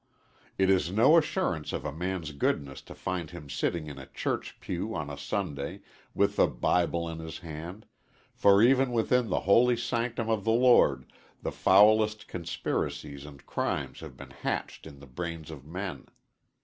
It is no assurance of a man's goodness to find him sitting in a church pew on a Sunday, with the Bible in his hand, for even within the holy sanctum of the Lord the foulest conspiracies and crimes have been hatched in the brains of men.